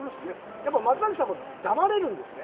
やっぱり松崎さんも黙れるんですね？